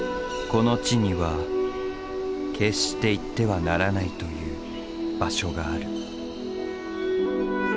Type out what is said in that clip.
この地には決して行ってはならないという場所がある。